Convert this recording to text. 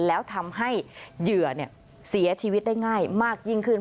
แล้วทำให้เหยื่อเสียชีวิตได้ง่ายมากยิ่งขึ้น